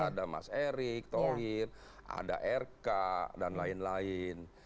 ada mas erick thohir ada rk dan lain lain